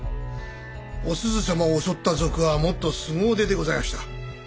お鈴様を襲った賊はもっとすご腕でございました。